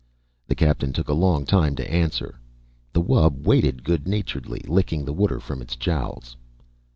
The Captain took a long time to answer. The wub waited good naturedly, licking the water from its jowls.